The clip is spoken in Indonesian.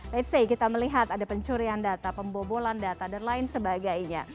let's say kita melihat ada pencurian data pembobolan data dan lain sebagainya